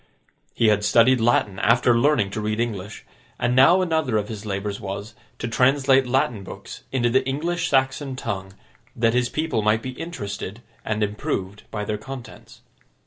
He had studied Latin after learning to read English, and now another of his labours was, to translate Latin books into the English Saxon tongue, that his people might be interested, and improved by their contents.